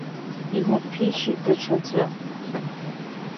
Инаԥишьит даҽаӡәы.